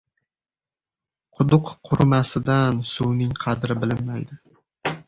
• Quduq qurimasidan suvning qadri bilinmaydi.